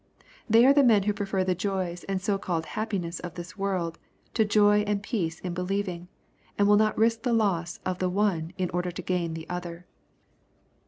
— They are the men who prefer the joys and so called happiness of this world, to joy and peace in believing, and will not risk the loss of the one in ord bi to gain the other.